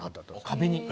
壁に。